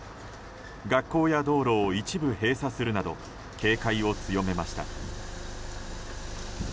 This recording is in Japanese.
学校や道路を一部閉鎖するなど警戒を強めました。